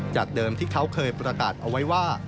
จากเดิมที่เขาเคยประกาศเอาไว้ว่า